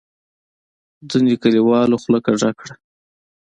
ځینو کلیوالو خوله کږه کړه.